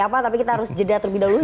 apa tapi kita harus jeda terbina dulu